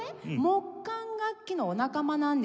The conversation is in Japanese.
木管楽器のお仲間なんですよ。